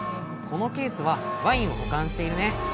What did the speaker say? このケースはワインを保管しているね。